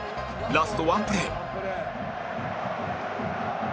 ラスト１プレー